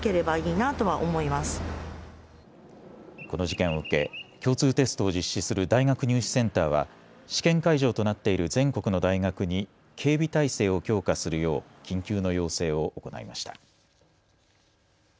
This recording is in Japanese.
この事件を受け、共通テストを実施する大学入試センターは試験会場となっている全国の大学に警備体制を強化するよう緊急の要請を行いました。